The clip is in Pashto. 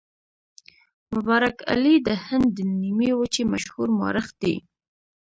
مبارک علي د هند د نیمې وچې مشهور مورخ دی.